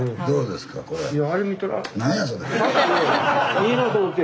いいなあと思って。